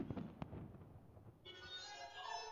Ninataka samaki